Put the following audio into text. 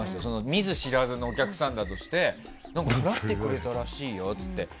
見ず知らずのお客さんだとして払ってくれたらしいよって。